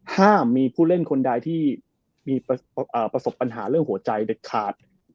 ห้ามมีผู้เล่นคนใดที่มีประสบปัญหาเรื่องหัวใจเด็ดขาด